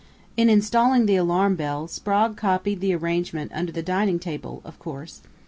In installing the alarm bell, Sprague copied the arrangement under the dining table, of course.